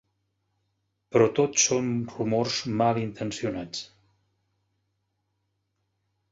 Però tot són rumors malintencionats.